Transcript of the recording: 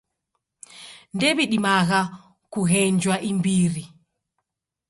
Ndew'idimagha kughenjwa imbiri.